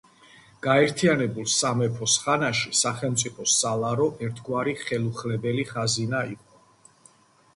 გაერთიანებულ სამეფოს ხანაში სახელმწიფოს სალარო ერთგვარი ხელუხლებელი ხაზინა იყო.